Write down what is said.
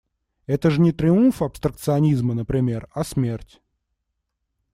Это ж не триумф абстракционизма, например, а смерть…